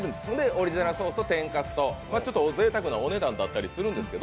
オリジナルソースと天かすとぜいたくなお値段だったりするんです。